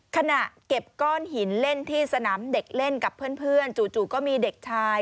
ขณะเก็บก้อนหินเล่นที่สนามเด็กเล่นกับเพื่อนจู่ก็มีเด็กชาย